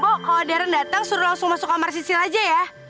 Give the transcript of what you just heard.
bo kalau darren datang suruh langsung masuk kamar sisil aja ya